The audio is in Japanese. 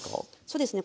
そうですね